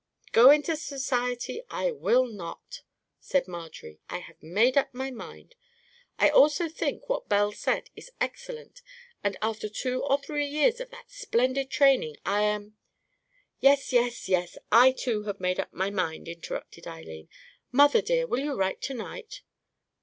"Go into society I will not," said Marjorie. "I have made up my mind. I also think what Belle said is excellent; and after two or three years of that splendid training, I am——" "Yes, yes, yes. I too have made up my mind," interrupted Eileen. "Mother, dear, you will write to night?"